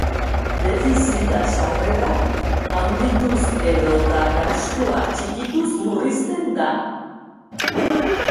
Defizita sarrerak handituz edota gastua txikituz murrizten da.